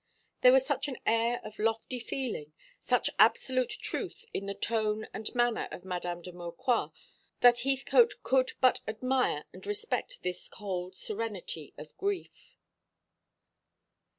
There was such an air of lofty feeling, such absolute truth in the tone and manner of Madame de Maucroix, that Heathcote could but admire and respect this cold serenity of grief.